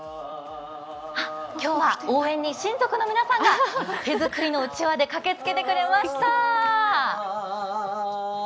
今日は応援に親族の皆さんが手づくりのうちわで駆けつけてくれました。